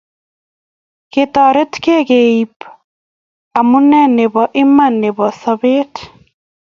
Ketoretkei koipu amune nebo iman nebo sopet